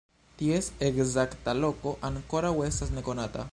Ties ekzakta loko ankoraŭ estas nekonata.